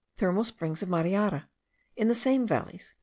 Thermal springs of Mariara, in the same valleys.